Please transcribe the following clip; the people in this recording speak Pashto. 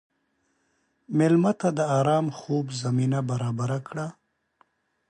مېلمه ته د ارام خوب زمینه برابره کړه.